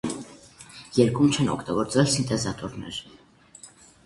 Երգում չեն օգտագործվել սինտեզատորներ։